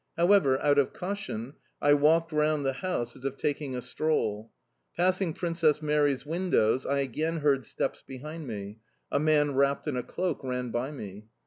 However, out of caution, I walked round the house, as if taking a stroll. Passing Princess Mary's windows, I again heard steps behind me; a man wrapped in a cloak ran by me.